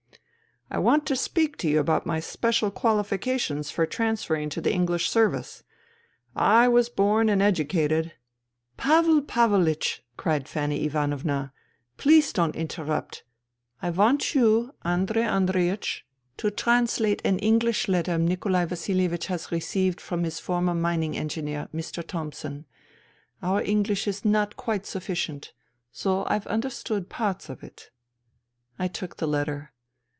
*'I want to speak to you about my special qualifications for transferring to the English Service. I was born and educated "" P^v'l P^vlch," cried Fanny Ivanovna, " please don't interrupt. I want you, Andrei Andreiech, 128 FUTILITY to translate an English letter Nikolai Vasilievich has received from his former mining engineer, Mr. Thomson. Our English is not quite sufficient, though I've understood parts of it.'* I took the letter.